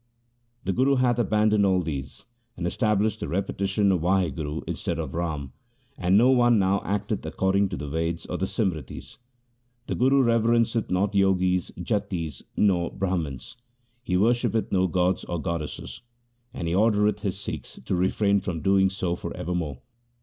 The Guru hath aban doned all these, and established the repetition of Wahguru instead of Ram ; and no one now acteth according to the Veds or the Simritis. The Guru reverenceth not Jogis, Jatis, or Brahmans. He worshippeth no gods or goddesses, and he ordereth his Sikhs to refrain from doing so for ever more.